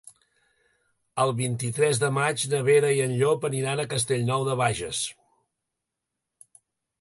El vint-i-tres de maig na Vera i en Llop aniran a Castellnou de Bages.